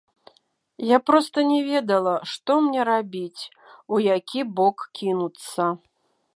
Я проста не ведала, што мне рабіць, у які бок кінуцца.